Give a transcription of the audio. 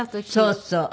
そうそう。